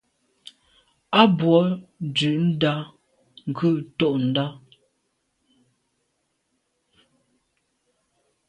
A bwô ndù ndà ghù ntôndà.